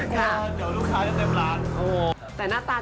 น่ากินมากเลยอ่ะส้มตำว่า